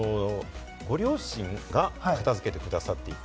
ご両親が片付けてくださっていた？